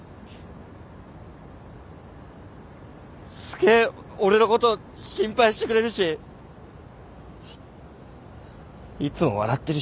すげえ俺のこと心配してくれるしいつも笑ってるし。